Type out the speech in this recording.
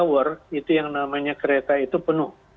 di tower itu yang namanya kereta itu penuh